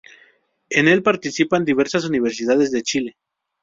En el participan diversas universidades de Chile.